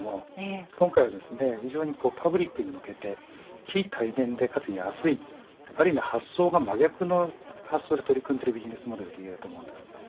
今回は非常にパブリックに向けて非対面でかつ安いあるいは発想が真逆の発想で取り組んでいるビジネスモデルです。